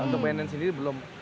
untuk bnn sendiri belum